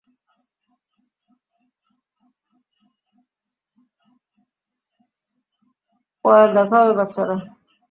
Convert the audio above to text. পরে দেখা হবে, বাচ্চারা।